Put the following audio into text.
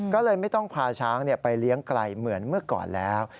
ก็เลยไม่ต้องพาช้างไปเลี้ยงไกลเหมือนเมื่อก่อนแล้ว